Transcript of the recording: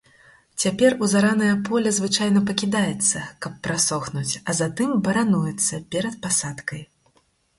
Цяпер узаранае поле звычайна пакідаецца, каб прасохнуць, а затым барануецца перад пасадкай.